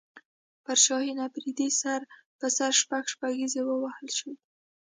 پر شاهین افریدي سر په سر شپږ شپږیزې ووهل شوې